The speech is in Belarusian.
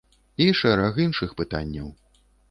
І шэраг іншых пытанняў.